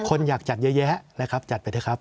คนอยากจัดเยอะแยะนะครับจัดไปเถอะครับ